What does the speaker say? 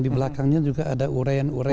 di belakangnya juga ada urean urayan